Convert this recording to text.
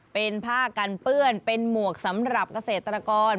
เป็นผ้ากันเปื้อนเป็นหมวกสำหรับเกษตรกร